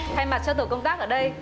thay mặt cho tổ công tác ở đây